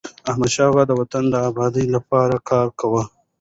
احمدشاه بابا د وطن د ابادی لپاره کار کاوه.